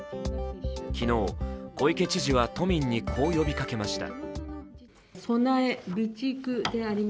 昨日、小池都知事は都民にこう呼びかけました。